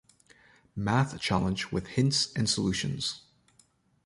Math Challenge with Hints and Solutions.